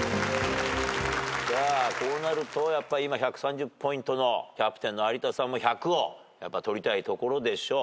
こうなると今１３０ポイントのキャプテンの有田さんも１００をとりたいところでしょう。